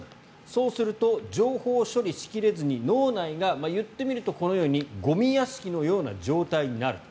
そうすると情報を処理しきれずに脳内が、言ってみるとこのようにゴミ屋敷のような状態になる。